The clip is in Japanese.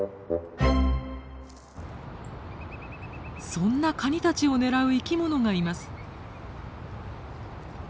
そんなカニたちを狙う生き物がいます。